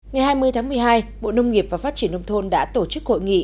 ngày hai mươi tháng một mươi hai bộ nông nghiệp và phát triển nông thôn đã tổ chức hội nghị